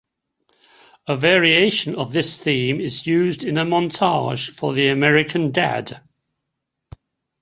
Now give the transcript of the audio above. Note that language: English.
A variation of this theme is used in a montage for the American Dad!